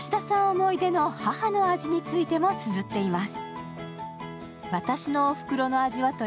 思い出の母の味についてもつづっています。